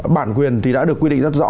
bản quyền thì đã được quy định rất rõ